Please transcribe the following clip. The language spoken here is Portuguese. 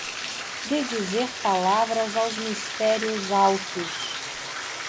de dizer palavras aos mistérios altos